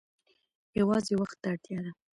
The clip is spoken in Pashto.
یوازې وخت ته اړتیا ده.